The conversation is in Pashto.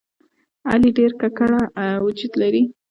علي ډېر ګګړه وجود لري.